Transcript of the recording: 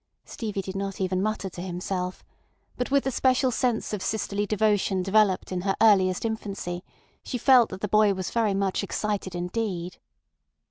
Stevie did not even mutter to himself, but with the special sense of sisterly devotion developed in her earliest infancy, she felt that the boy was very much excited indeed.